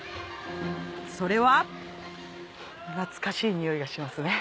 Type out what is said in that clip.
それは懐かしいにおいがしますね。